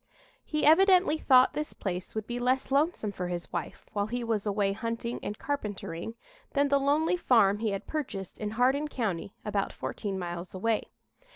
He evidently thought this place would be less lonesome for his wife, while he was away hunting and carpentering, than the lonely farm he had purchased in Hardin County, about fourteen miles away.